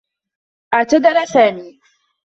اعتذر سامي.